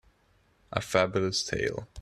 A Fabulous tale.